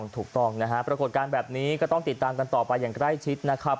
ถูกต้องนะฮะปรากฏการณ์แบบนี้ก็ต้องติดตามกันต่อไปอย่างใกล้ชิดนะครับ